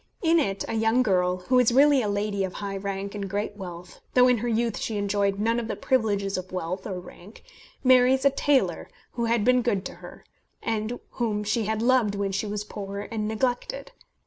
In it a young girl, who is really a lady of high rank and great wealth, though in her youth she enjoyed none of the privileges of wealth or rank, marries a tailor who had been good to her, and whom she had loved when she was poor and neglected.